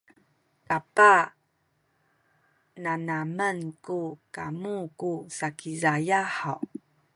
kapah nanamen ku kamu nu Sakizaya haw?